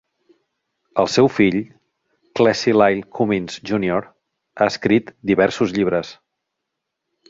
El seu fill, Clessie Lyle Cummins júnior, ha escrit diversos llibres.